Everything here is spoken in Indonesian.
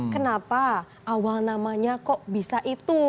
kenapa awal namanya kok bisa itu